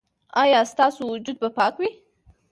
ایا ستاسو وجود به پاک وي؟